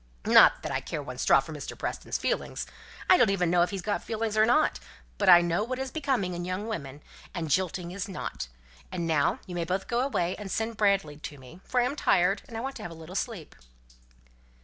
Not that I care one straw for Mr. Preston's feelings. I don't even know if he's got feelings or not; but I know what is becoming in a young woman, and jilting is not. And now you may both go away, and send Bradley to me, for I'm tired, and want to have a little sleep."